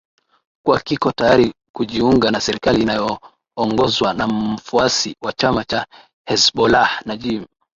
kuwa kiko tayari kujiunga na serikali inayoongozwa na mfuasi wa chama cha hezbollah najim